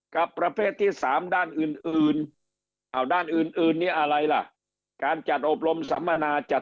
กับประเภทที่๓ด้านอื่นด้านอื่นนี้อะไรล่ะการจัดอบรมสัมมนาจัด